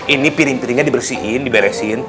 ini piring piringnya dibersihin diberesin